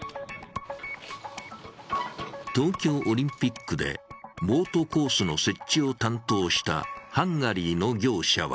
東京オリンピックでボートコースの設置を担当したハンガリーの業者は